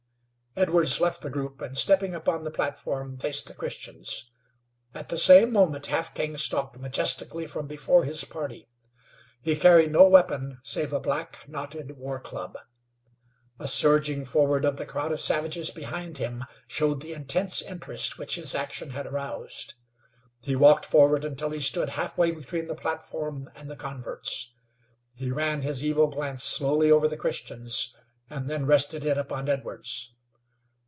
Edwards left the group, and, stepping upon the platform, faced the Christians. At the same moment Half King stalked majestically from before his party. He carried no weapon save a black, knotted war club. A surging forward of the crowd of savages behind him showed the intense interest which his action had aroused. He walked forward until he stood half way between the platform and the converts. He ran his evil glance slowly over the Christians, and then rested it upon Edwards.